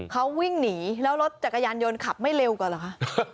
เขาวิ่งหนีแล้วรถจักรยานยนต์ขับไม่เร็วกว่าเหรอคะ